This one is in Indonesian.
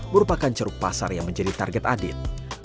merupakan ceruk pasar yang menjadi target adit